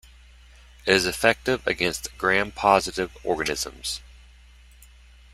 It is effective against Gram-positive organisms.